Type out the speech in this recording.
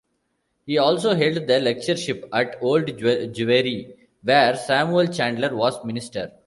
He also held the lectureship at Old Jewry, where Samuel Chandler was minister.